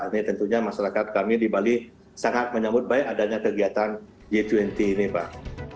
ini tentunya masyarakat kami di bali sangat menyambut baik adanya kegiatan g dua puluh ini pak